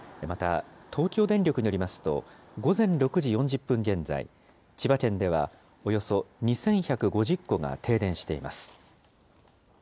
また、東京電力によりますと、午前６時４０分現在、千葉県ではおよそ２１５０戸が停電しています。